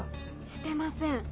してません